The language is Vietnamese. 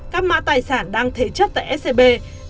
các mã tài sản đang thế chất tại scb giao cho scb thu hồi nợ